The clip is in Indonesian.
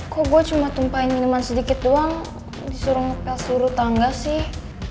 kok gue cuma tumpahin minuman sedikit doang disuruh tangga sih